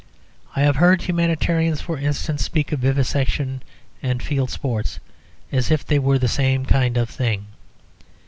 I have heard humanitarians, for instance, speak of vivisection and field sports as if they were the same kind of thing.